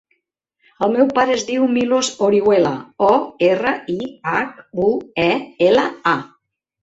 El meu pare es diu Milos Orihuela: o, erra, i, hac, u, e, ela, a.